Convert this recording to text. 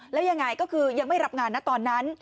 แล้วยังไงก็คือยังไม่รับงานนะตอนนั้น